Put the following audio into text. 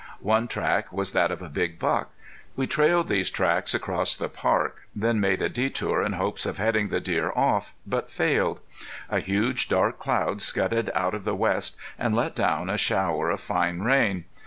One track was that of a big buck. We trailed these tracks across the park, then made a detour in hopes of heading the deer off, but failed. A huge, dark cloud scudded out of the west and let down a shower of fine rain.